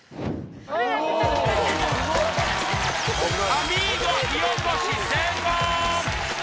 アミーゴ火おこし成功